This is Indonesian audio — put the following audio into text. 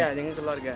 ya dengan keluarga